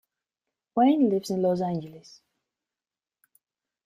Wain lives in Los Angeles.